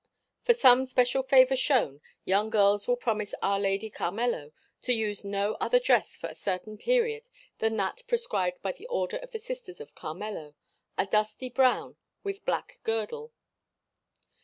For some special favor shown young girls will promise Our Lady Carmelo to use no other dress for a certain period than that prescribed by the Order of the Sisters of Carmelo, a dusty brown with black girdle.